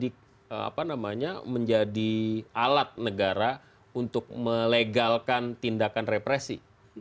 apakah ini punya potensi untuk menjadi alat negara untuk melegalkan tindakan represi